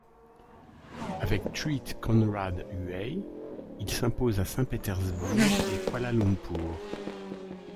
Avec Treat Conrad Huey, il s'impose à Saint-Pétersbourg et Kuala Lumpur.